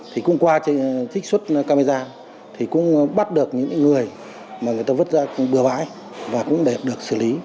thì cũng qua trích xuất camera thì cũng bắt được những người mà người ta vứt ra bừa bãi và cũng đẹp được xử lý